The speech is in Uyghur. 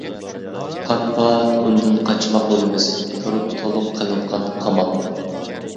پات-پات ئۇندىن قاچماق بولىمىز، تۇرۇپ تولۇق قىلىنغان قامال.